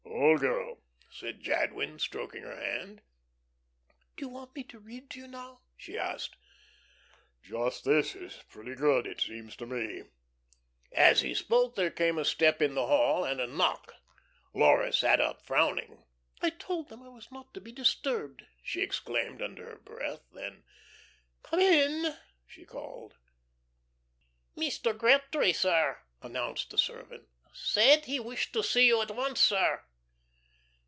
"Old girl!" said Jadwin, stroking her hand. "Do you want me to read to you now?" she asked. "Just this is pretty good, it seems to me." As he spoke, there came a step in the hall and a knock. Laura sat up, frowning. "I told them I was not to be disturbed," she exclaimed under her breath. Then, "Come in," she called. "Mr. Gretry, sir," announced the servant. "Said he wished to see you at once, sir."